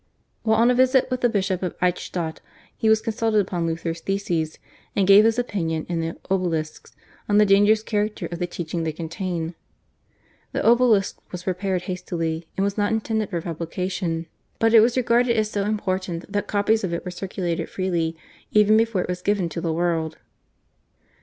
While on a visit with the Bishop of Eichstatt he was consulted about Luther's theses, and gave his opinion in the /Obelisks/ on the dangerous character of the teaching they contained. The /Obelisks/ was prepared hastily and was not intended for publication, but it was regarded as so important that copies of it were circulated freely even before it was given to the world.